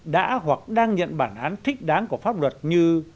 đã hoặc đang nhận bản án thích đáng của pháp luật như